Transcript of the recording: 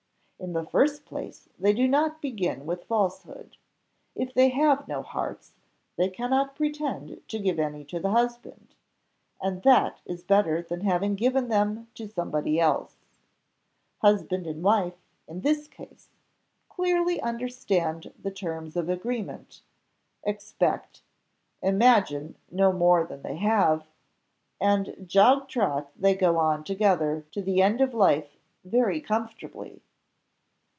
In the first place they do not begin with falsehood. If they have no hearts, they cannot pretend to give any to the husband, and that is better than having given them to somebody else. Husband and wife, in this case, clearly understand the terms of agreement, expect, imagine no more than they have, and jog trot they go on together to the end of life very comfortably."